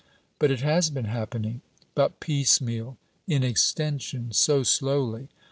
'But it has been happening!' 'But piecemeal, in extension, so slowly.